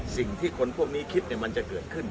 สิ่งที่คนพวกนี้คิดมันจะเกิดขึ้น